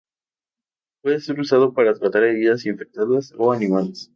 Puede ser usado para tratar heridas infectadas o animales.